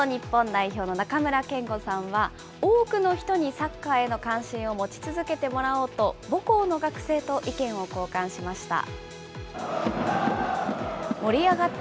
こちら、元日本代表の中村憲剛さんは、多くの方にサッカーに関心を持ち続けてもらおうと、母校の学生と意見を交換しました。